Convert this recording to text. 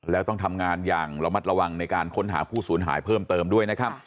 แล้วต้องทำงานอย่างระมัดระวังในการค้นหาผู้สูญหายเพิ่มเติมด้วยนะครับ